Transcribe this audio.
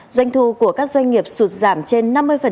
doanh thu của các doanh nghiệp sụt giảm trên năm mươi